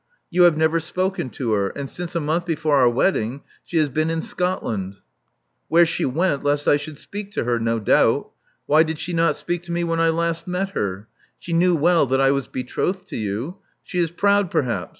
You have never spoken to her; and since a month before our wedding she has been in Scotland." Where she went lest I should speak to her, no doubt. Why did she not speak to me when I last met her? She knew well that I was betrothed to you. She is proud, perhaps.